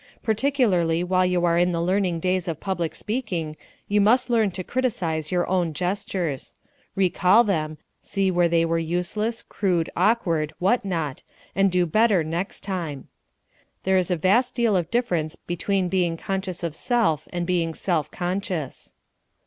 Particularly while you are in the learning days of public speaking you must learn to criticise your own gestures. Recall them see where they were useless, crude, awkward, what not, and do better next time. There is a vast deal of difference between being conscious of self and being self conscious.